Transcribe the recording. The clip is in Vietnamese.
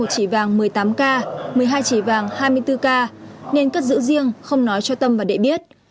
một chỉ vàng một mươi tám k một mươi hai chỉ vàng hai mươi bốn k nên cất giữ riêng không nói cho tâm và đệ biết